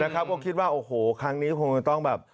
ก็คิดว่าโอ้โหครั้งนี้คงจะต้องแบบ